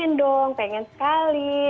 pengen dong pengen sekali